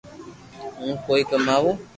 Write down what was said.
ھون ڪوئي ڪماوُ